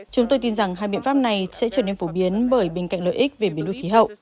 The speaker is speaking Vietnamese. chúng tôi tin rằng hai biện pháp này sẽ trở nên phổ biến bởi bên cạnh lợi ích về biến đuôi khí hậu